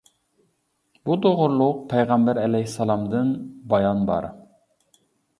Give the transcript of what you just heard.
بۇ توغرۇلۇق پەيغەمبەر ئەلەيھىسسالامدىن بايان بار.